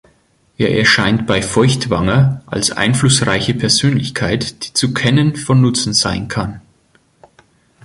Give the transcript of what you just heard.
Er erscheint bei Feuchtwanger als einflussreiche Persönlichkeit, die zu kennen von Nutzen sein kann.